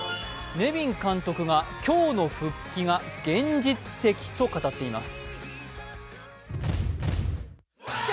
ネビン監督が今日の復帰が現実的と語っています。